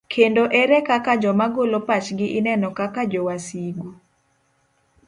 Kendo ere kaka joma golo pachgi ineno kaka jo wasigu?